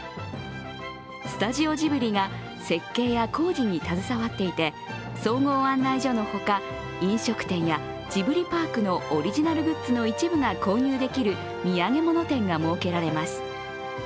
スタジオジブリが設計や工事に携わっていて、総合案内所のほか、飲食店やジブリパークのオリジナルグッズの一部が購入できる土産物店が設けられます。